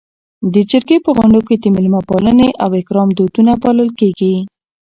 د جرګې په غونډو کي د میلمه پالنې او اکرام دودونه پالل کيږي.